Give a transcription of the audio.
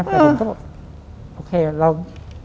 แต่ผมก็บอกโอเคเรา